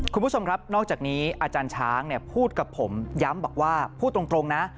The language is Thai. คุณผู้ชมครับนอกจากนี้อาจารย์ช้างพูดกับผมย้ำบอกว่าพูดตรงนะ